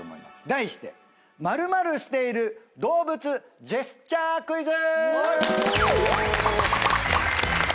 題して○○している動物ジェスチャークイズ！